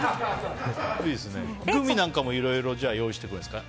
グミなんかもいろいろ用意しているんですか？